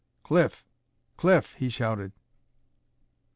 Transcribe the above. "Cliff! Cliff!" he shouted.